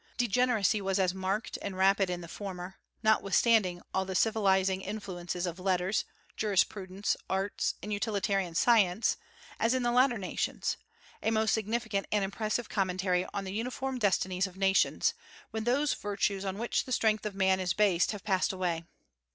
Degeneracy was as marked and rapid in the former, notwithstanding all the civilizing influences of letters, jurisprudence, arts, and utilitarian science, as in the latter nations, a most significant and impressive commentary on the uniform destinies of nations, when those virtues on which the strength of man is based have passed away.